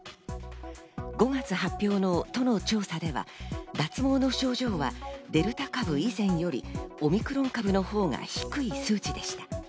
５月発表の都の調査では、脱毛の症状はデルタ株以前よりオミクロン株のほうが低い数値でした。